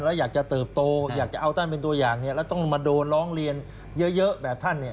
แล้วอยากจะเติบโตอยากจะเอาท่านเป็นตัวอย่างเนี่ยแล้วต้องมาโดนร้องเรียนเยอะแบบท่านเนี่ย